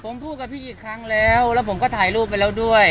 ผมพูดกับพี่กี่ครั้งแล้วแล้วผมก็ถ่ายรูปไปแล้วด้วย